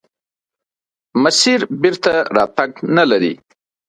مسیر بېرته راتګ نلري.